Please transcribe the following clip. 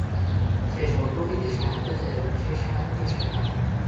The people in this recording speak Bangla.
সে স্বর্গ হইতে সাহায্য চায়, এবং সেই সাহায্য সে পায়।